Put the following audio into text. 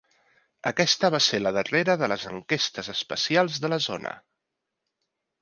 Aquesta va ser la darrera de les enquestes especials de la zona.